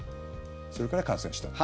それから感染したと。